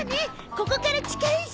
ここから近いし。